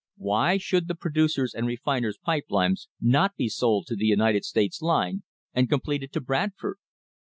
Why should the Producers' and Refiners' Pipe Lines not be sold to the United States Line and completed to Bradford?